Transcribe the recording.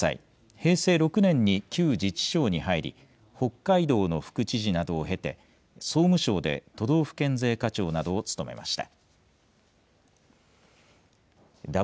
平成６年に旧自治省に入り、北海道の副知事などを経て、総務省で都道府県税課長などを務めました。